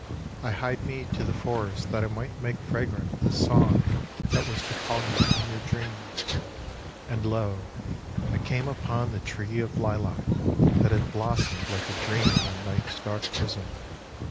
1 hied me to the forest that I might make fragrant The song that was to call you from your dreams. And lo ! I came upon the tree of lilac, That had blossomed like a dream on night's dark bosom.